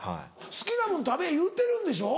好きなもん食べぇ言うてるんでしょ？